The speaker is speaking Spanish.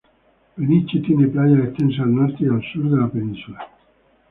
Peniche tiene playas extensas al norte y al sur de la península.